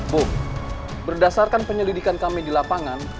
bu berdasarkan penyelidikan kami di lapangan